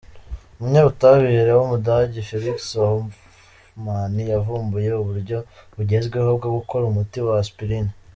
Umunyabutabire w’umudage Felix Hoffmann yavumbuye uburyo bugezweho bwo gukora umuti wa Aspirine.